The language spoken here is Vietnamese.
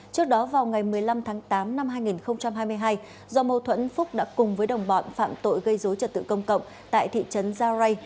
trước đó vào ngày một mươi năm tháng tám năm hai nghìn hai mươi hai do mâu thuẫn phúc đã cùng với đồng bọn phạm tội gây dối trật tự công cộng tại thị trấn gia rai